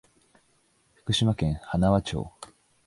福島県塙町